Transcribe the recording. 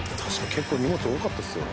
結構荷物多かったですよね。